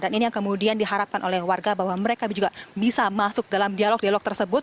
dan ini yang kemudian diharapkan oleh warga bahwa mereka juga bisa masuk dalam dialog dialog tersebut